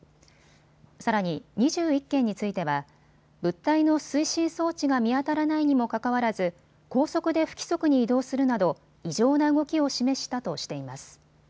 さらに２１件については物体の推進装置が見当たらないにもかかわらず高速で不規則に移動するなど異常な動きを示したとしています。